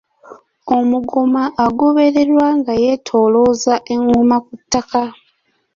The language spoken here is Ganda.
Omugoma agobererwa nga yeetoolooza engoma ku ttaka.